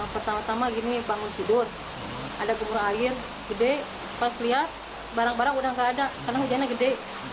pertama tama gini bangun tidur ada gumur air gede pas lihat barang barang udah nggak ada karena hujannya gede